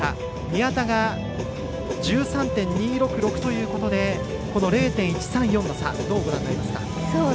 宮田が１３．２６６ということでこの０．１３４の差どうご覧になりますか。